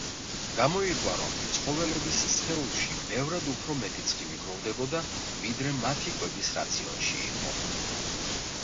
გამოირკვა, რომ ცხოველების სხეულში ბევრად უფრო მეტი ცხიმი გროვდებოდა, ვიდრე მათი კვების რაციონში იყო.